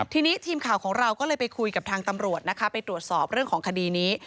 ทีนี้ทีมข่าวของเราก็เลยไปคุยกับทางตำรวจนะคะไปตรวจสอบเรื่องของคดีนี้